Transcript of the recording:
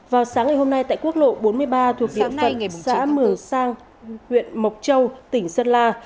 vào sáng ngày hôm nay tại quốc lộ bốn mươi ba thuộc địa phận xã mường sang huyện mộc châu tỉnh sơn la